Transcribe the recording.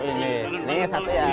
oh ini ini satu ya